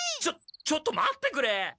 ちょちょっと待ってくれ！